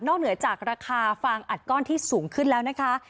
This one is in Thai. เหนือจากราคาฟางอัดก้อนที่สูงขึ้นแล้วนะคะ